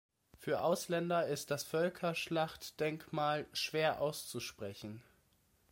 Für Ausländer ist das Völkerschlachtdenkmal schwer auszusprechen.